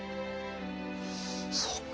そうか。